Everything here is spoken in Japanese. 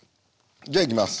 じゃいきます。